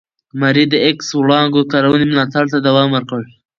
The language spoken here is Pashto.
ماري د ایکس وړانګو کارونې ملاتړ ته دوام ورکړ.